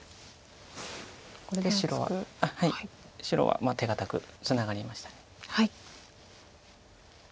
これで白は手堅くツナがりました。